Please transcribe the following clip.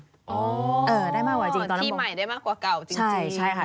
ที่ใหม่ได้มากกว่าเก่าจริง